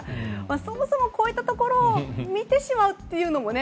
そもそもこういったところを見てしまうというのもね。